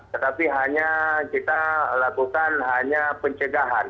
tetapi hanya kita lakukan hanya pencegahan